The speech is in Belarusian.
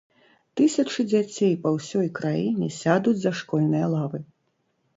Тысячы дзяцей па ўсёй краіне сядуць за школьныя лавы.